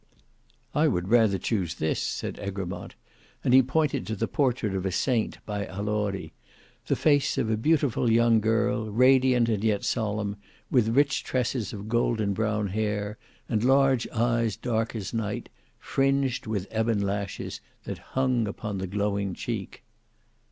"I would rather choose this," said Egremont, and he pointed to the portrait of a saint by Allori: the face of a beautiful young girl, radiant and yet solemn, with rich tresses of golden brown hair, and large eyes dark as night, fringed with ebon lashes that hung upon the glowing cheek.